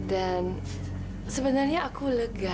dan sebenarnya aku lega